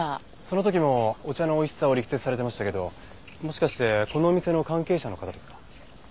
その時もお茶の美味しさを力説されてましたけどもしかしてこのお店の関係者の方ですか？